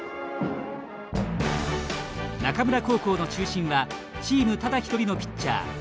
中村高校の中心はチームただ一人のピッチャー